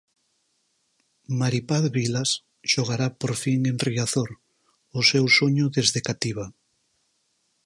Mari Paz Vilas xogará por fin en Riazor, o seu soño desde cativa.